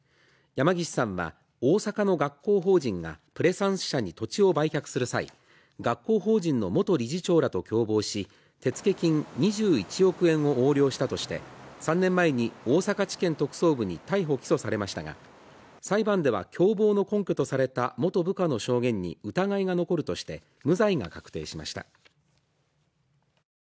山岸さんは大阪の学校法人がプレサンス社に土地を売却する際に学校法人の元理事長らと共謀し、手付金２１億円を横領したとして３年前に大阪地検特捜部に逮捕・起訴されましたが裁判では、共謀の根拠とされた元部下の証言に疑いが残るとして無罪が確定しました。